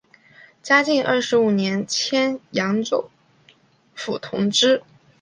嘉靖二十五年迁扬州府同知。